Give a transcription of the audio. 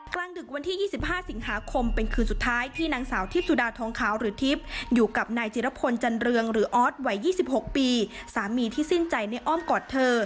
ดึกวันที่๒๕สิงหาคมเป็นคืนสุดท้ายที่นางสาวทิพย์สุดาทองขาวหรือทิพย์อยู่กับนายจิรพลจันเรืองหรือออสวัย๒๖ปีสามีที่สิ้นใจในอ้อมกอดเธอ